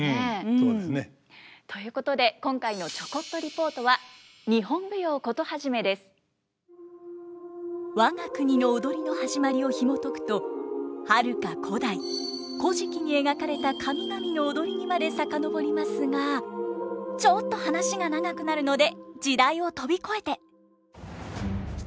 そうですね。ということで今回の我が国の踊りの始まりをひもとくとはるか古代「古事記」に描かれた神々の踊りにまで遡りますがちょっと話が長くなるので時代を飛び越えて。